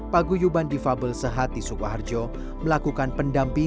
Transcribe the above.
paguyuban difabel sehati sukoharjo melakukan pendampingan